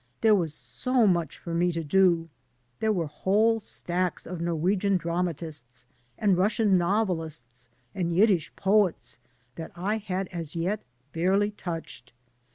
There was so much for me to do. There were whole stacks of Norwegian dramatists, and Russian novelists, and Yiddish poets that I had as yet barely touched.